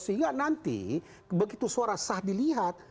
sehingga nanti begitu suara sah dilihat